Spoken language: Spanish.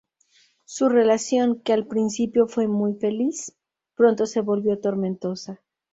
Su relación, que al principio fue muy feliz, pronto se volvió tormentosa.